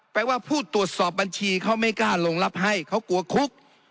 ว่าผู้ตรวจสอบบัญชีเขาไม่กล้าลงรับให้เขากลัวคุก